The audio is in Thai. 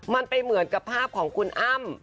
มันไปเหมือนกับภาพของคุณอ้ำ